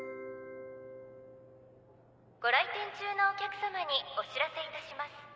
ご来店中のお客さまにお知らせいたします。